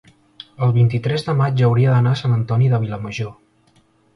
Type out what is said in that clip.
el vint-i-tres de maig hauria d'anar a Sant Antoni de Vilamajor.